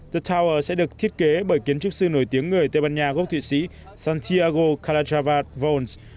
the tower sẽ được thiết kế bởi kiến trúc sư nổi tiếng người tây ban nha gốc thụy sĩ santiago karajava vols